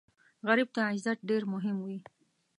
غریب ته عزت ډېر مهم وي